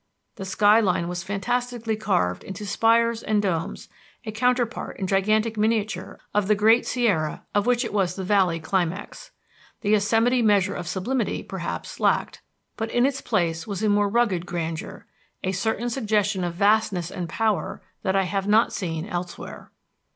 The sky line was fantastically carved into spires and domes, a counterpart in gigantic miniature of the Great Sierra of which it was the valley climax. The Yosemite measure of sublimity, perhaps, lacked, but in its place was a more rugged grandeur, a certain suggestion of vastness and power that I have not seen elsewhere.